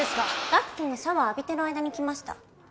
岳くんがシャワー浴びてる間に来ました